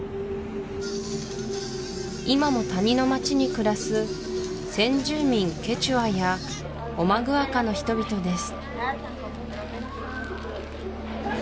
今も谷の町に暮らす先住民ケチュアやオマグアカの人々です